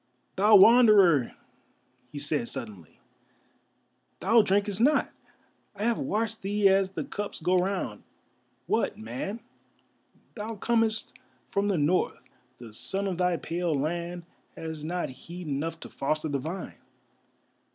"Thou Wanderer!" he said, suddenly. "Thou drinkest not: I have watched thee as the cups go round; what, man, thou comest from the North, the sun of thy pale land has not heat enough to foster the vine.